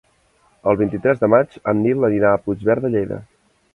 El vint-i-tres de maig en Nil anirà a Puigverd de Lleida.